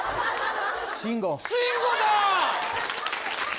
慎吾だ。